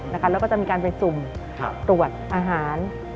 แล้วก็จะมีการไปสุ่มตรวจอาหาร